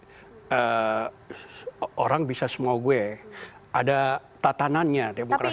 jadi orang bisa semua gue ada tatanannya demokrasi